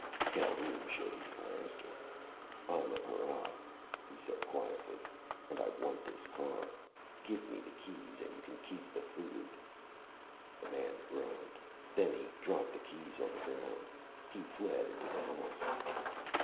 Calhoun showed his blaster. "I'm a para," he said quietly, "and I want this car. Give me the keys and you can keep the food." The man groaned. Then he dropped the keys on the ground. He fled into the house.